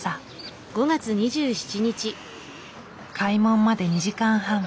開門まで２時間半。